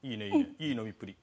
いい飲みっぷり。